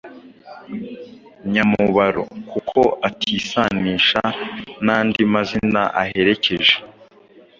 nyamubaro) kuko atisanisha n’andi mazina aherekeje.